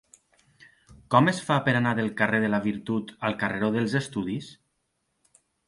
Com es fa per anar del carrer de la Virtut al carreró dels Estudis?